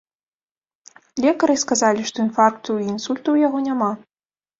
Лекары сказалі, што інфаркту і інсульту ў яго няма.